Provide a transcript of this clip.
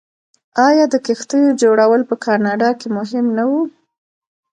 آیا د کښتیو جوړول په کاناډا کې مهم نه و؟